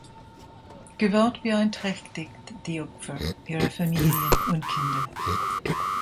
Gewalt beeinträchtigt die Opfer, ihre Familien und Kinder.